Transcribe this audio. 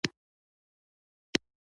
د ماشومانو موسکا خوند لري.